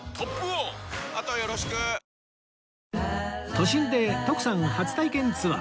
都心で徳さん初体験ツアー